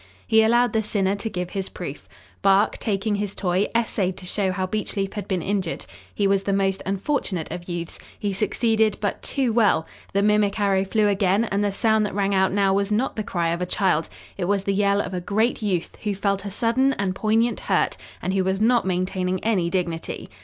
He allowed the sinner to give his proof. Bark, taking his toy, essayed to show how Beechleaf had been injured. He was the most unfortunate of youths. He succeeded but too well. The mimic arrow flew again and the sound that rang out now was not the cry of a child. It was the yell of a great youth, who felt a sudden and poignant hurt, and who was not maintaining any dignity.